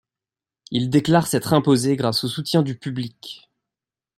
Il déclare s'être imposé grâce au soutien du public.